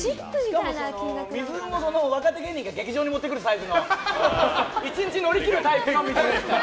水も、若手芸人が劇場に持ってくるサイズの１日乗り切るやつですから。